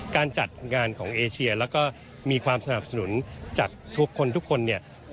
การจัดงานของเอเชียแล้วก็มีความสนับสนุนจากทุกคนทุกคนเนี่ย